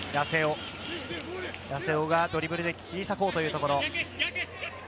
八瀬尾がドリブルで切り裂こうというところ。